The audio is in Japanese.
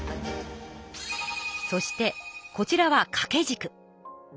そしてこちらはかけじく。